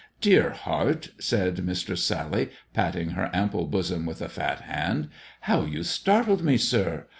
" Dear heart," said Mistress Sally, patting her ample bosom with a fat hand, " how you startled me, sir